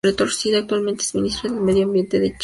Actualmente es ministra del Medio Ambiente de Chile.